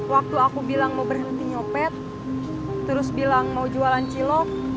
waktu aku bilang mau berhenti nyopet terus bilang mau jualan cilok